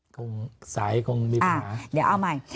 คงสายคงมีปัญหาเดี๋ยวเอาใหม่